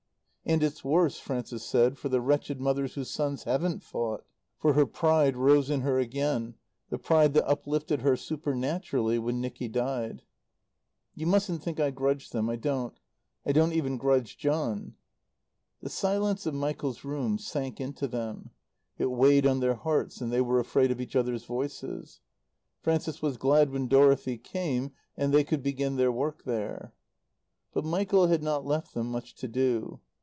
"And it's worse," Frances said, "for the wretched mothers whose sons haven't fought." For her pride rose in her again the pride that uplifted her supernaturally when Nicky died. "You mustn't think I grudge them. I don't. I don't even grudge John." The silence of Michael's room sank into them, it weighed on their hearts and they were afraid of each other's voices. Frances was glad when Dorothy came and they could begin their work there. But Michael had not left them much to do.